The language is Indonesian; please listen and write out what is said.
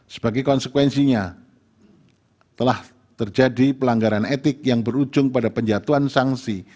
sebagai konsekuensinya telah terjadi pelanggaran etik yang berujung pada penjatuhan sanksi